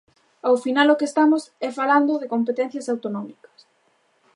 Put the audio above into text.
Ao final o que estamos é falando de competencias autonómicas.